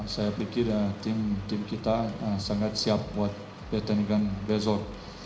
saya pikir tim kita sangat siap buat pertandingan besok